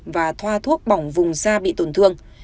và thoa thuốc bỏng vùng da bị tổn thương